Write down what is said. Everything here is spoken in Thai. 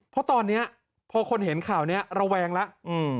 เพราะตอนนี้พอคนเห็นข่าวนี้ระแวงแล้ว